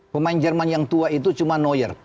pemain jerman yang tua itu cuma lawyer